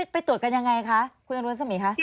ไปตรวจกันอย่างไรคะคุณอังดนตรวจสมีศ์คะ